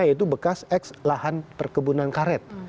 yaitu bekas ex lahan perkebunan karet